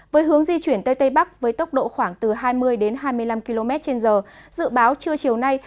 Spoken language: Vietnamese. với hướng di chuyển tới tây bắc với tốc độ khoảng từ hai mươi đến hai mươi năm km trên giờ dự báo trưa chiều nay